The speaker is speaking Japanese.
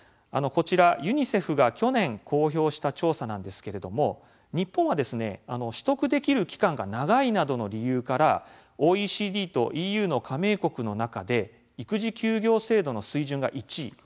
こちら、ユニセフが去年公表した調査なんですけれども日本は取得できる期間が長いなどの理由からＯＥＣＤとＥＵの加盟国の中で育児休業制度の水準が１位。